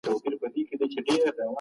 دليل ئې دغه حديث ښوولی دی